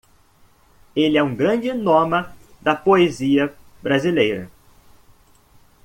Ele é um grande noma da poesia brasileira.